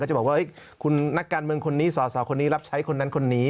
จะบอกว่าคุณนักการเมืองคนนี้สอสอคนนี้รับใช้คนนั้นคนนี้